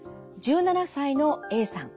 １７歳のＡさん。